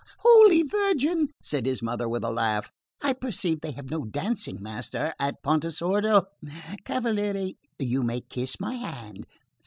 "Holy Virgin!" said his mother with a laugh, "I perceive they have no dancing master at Pontesordo. Cavaliere, you may kiss my hand.